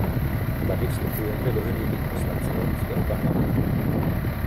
Tady vstupujete do hry vy, poslanci Evropského parlamentu.